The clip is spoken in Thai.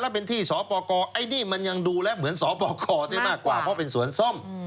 แล้วเป็นที่สปกรไอ้นี่มันยังดูแล้วเหมือนสปกรซะมากกว่าเพราะเป็นสวนส้ม